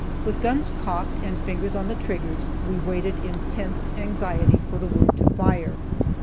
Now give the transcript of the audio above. With guns cocked and fingers on the triggers, we waited in tense anxiety for the word to fire.